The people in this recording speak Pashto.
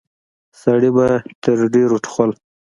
سړي به تر ډيرو ټوخل.